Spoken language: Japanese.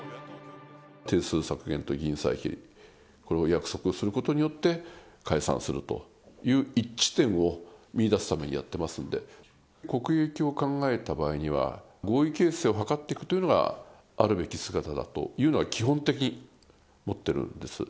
定数削減と議員歳費、これを約束をすることによって、解散するという一致点を見いだすためにやってますんで、国益を考えた場合には、合意形成を図っていくというのが、あるべき姿だというのは基本的、思ってるんです。